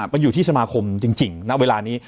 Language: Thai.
มันอยู่ที่สมาคมจริงณเวลานี้